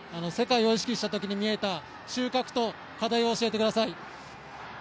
世界を意識したときに見えた収穫と課題を教えてください。